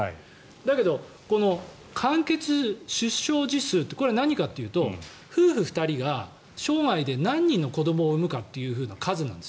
だけど完結出生児数これは何かというと夫婦２人が生涯で何人の子どもを産むかという数。